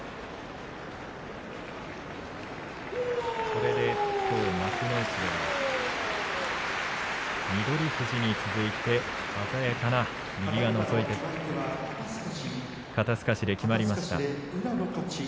これできょう幕内で翠富士に続いて鮮やかな右がのぞいて肩すかしできまりました。